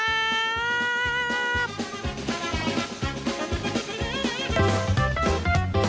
สวัสดีครับ